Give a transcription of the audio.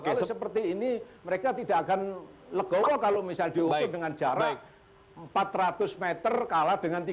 kalau seperti ini mereka tidak akan legowo kalau misalnya dihukum dengan jarak empat ratus meter kalah dengan tiga puluh